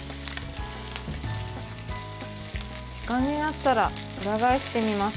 時間になったら裏返してみます。